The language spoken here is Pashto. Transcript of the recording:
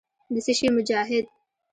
د څه شي مجاهد.